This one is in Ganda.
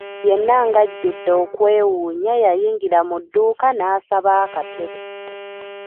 Yenna ng'ajjudde okwewuunya yayingira mu dduuka n'asaba akatebe.